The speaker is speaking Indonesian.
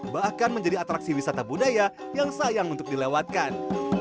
bahkan menjadi atraksi wisata budaya yang sayang untuk dilewatkan